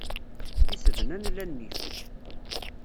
Tisednan la nnif.